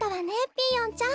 ピーヨンちゃん。